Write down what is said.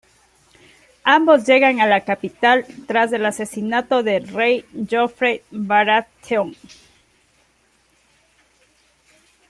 Ambos llegan a la capital tras el asesinato del rey Joffrey Baratheon.